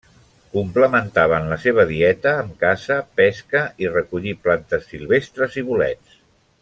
Complementaven la seva dieta amb caça, pesca, i recollir plantes silvestres i bolets.